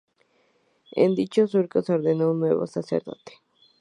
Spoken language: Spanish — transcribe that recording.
En dicho curso se ordenó un nuevo sacerdote.